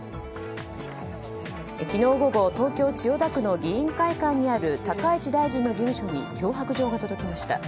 昨日午後、東京・千代田区の議員会館にある高市大臣の事務所に脅迫状が届きました。